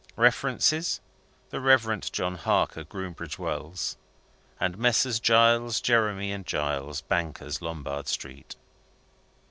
References the Reverend John Harker, Groombridge Wells; and Messrs. Giles, Jeremie, and Giles, bankers, Lombard Street."